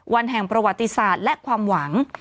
วันแห่งประวัติศาสตร์และความหวัง